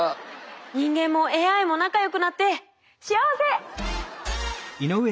人間もＡＩも仲良くなって幸せ！